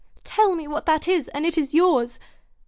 * Tell me what that is, and it is yours.'